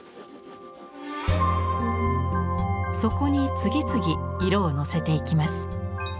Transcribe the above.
そこに次々色をのせていきます。